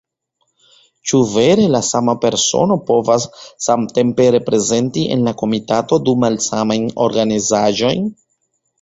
Ĉu vere la sama persono povas samtempe reprezenti en la komitato du malsamajn organizaĵojn?